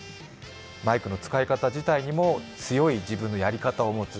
マイクの使い方自体にも強い自分のやり方を持つ